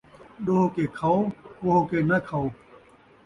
ݙوہ کے کھاؤ ، کوہ کے ناں کھاؤ